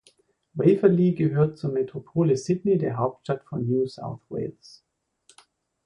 Waverley gehört zur Metropole Sydney, der Hauptstadt von New South Wales.